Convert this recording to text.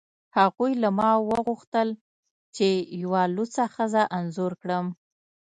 هغوی له ما وغوښتل چې یوه لوڅه ښځه انځور کړم